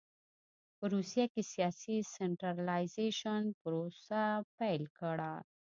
په روسیه کې سیاسي سنټرالایزېشن پروسه پیل کړ.